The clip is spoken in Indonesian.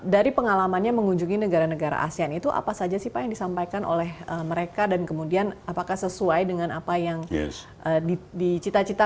dari pengalamannya mengunjungi negara negara asean itu apa saja sih pak yang disampaikan oleh mereka dan kemudian apakah sesuai dengan apa yang dicita cita